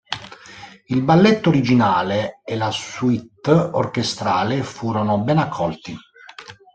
Il balletto originale e la suite orchestrale furono ben accolti.